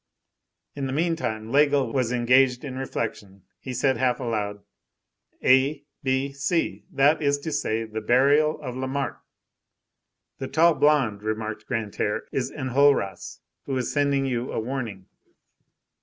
In the meantime, Laigle was engaged in reflection; he said half aloud:— "A B C, that is to say: the burial of Lamarque." "The tall blonde," remarked Grantaire, "is Enjolras, who is sending you a warning."